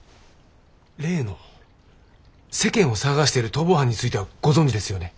例の世間を騒がしている逃亡犯についてはご存じですよね？